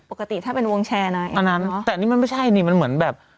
ปกติถ้าเป็นวงแชร์นะอันนั้นแต่อันนี้มันไม่ใช่นี่มันเหมือนแบบ